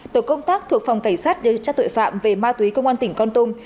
tổ công tác thuộc phòng cảnh sát điều tra tội phạm về ma túy công an tỉnh con tum